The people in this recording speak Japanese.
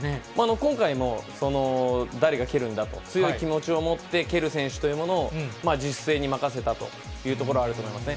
今回も誰が蹴るんだと、強い気持ちを持って蹴る選手というものを、自主性に任せたということもあると思いますね。